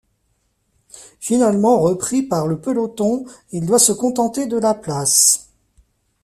Finalement repris par le peloton, il doit se contenter de la place.